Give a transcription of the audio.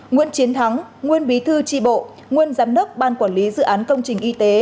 nguyễn chiến thắng nguyên bí thư tri bộ nguyên giám đốc ban quản lý dự án công trình y tế